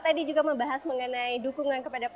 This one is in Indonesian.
tadi juga membahas mengenai dukungan kepada